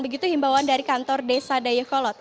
begitu himbawan dari kantor desa dayakolot